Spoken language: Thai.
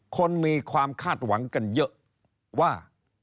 คนมีความคาดหวังกันเยอะว่า